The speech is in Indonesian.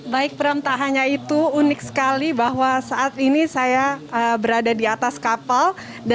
baik perantahannya itu unik sekali bahwa saat ini saya berada di atas kapal